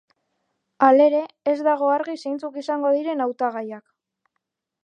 Halere, ez dago argi zeintzuk izango diren hautagaiak.